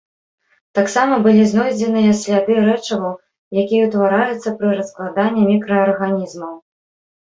Таксама былі знойдзеныя сляды рэчываў, якія ўтвараюцца пры раскладанні мікраарганізмаў.